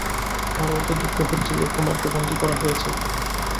আমার বলতে দুঃখ হচ্ছে যে কুমারকে বন্দী করা হয়েছে।